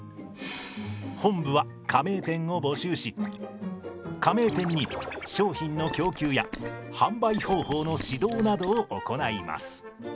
本部は加盟店を募集し加盟店に商品の供給や販売方法の指導などを行います。